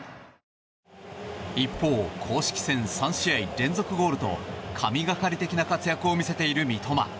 一方公式戦３試合連続ゴールと神懸かり的な活躍を見せている三笘。